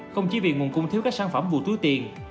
không chỉ vì nguồn cung thiếu các sản phẩm vù tư tiền